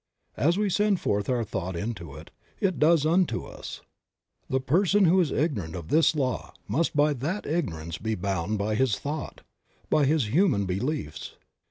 As we send forth our thought into it, it does unto us. The person who is ignorant of this law must by that ignorance be bound by his thought, by his human beliefs.